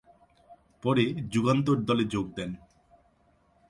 পরে যুগান্তর দলে যোগ দেন।